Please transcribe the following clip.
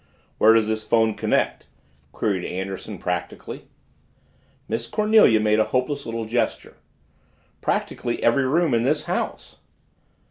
"Where does this phone connect?" queried Anderson practically. Miss Cornelia made a hopeless little gesture. "Practically every room in this house!"